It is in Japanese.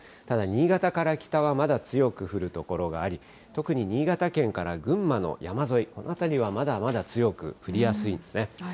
ただ新潟から北は、まだ強く降る所があり、特に新潟県から群馬の山沿い、この辺りは、まだまだ強く降りやすいんですね。